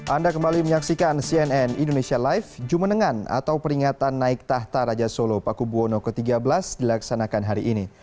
anda kembali menyaksikan cnn indonesia live jumenengan atau peringatan naik tahta raja solo paku buwono ke tiga belas dilaksanakan hari ini